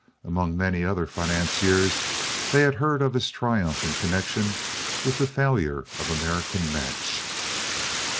Among many other financiers, they had heard of his triumph in connection with the failure of American Match.